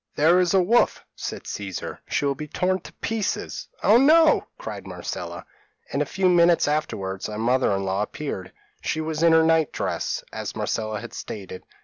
p> "'There is a wolf,' said Caesar. 'She will be torn to pieces.' "'Oh no!' cried Marcella. "In a few minutes afterwards our mother in law appeared; she was in her night dress, as Marcella had stated.